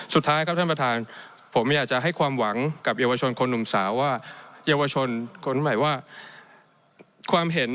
สุดท้ายครับท่านประธานผมอยากจะให้ความหวังกับเยาวชนคนหนุ่มสาวว่า